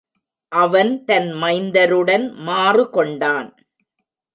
அவன் தன் மைந்தருடன் மாறுகொண்டான்.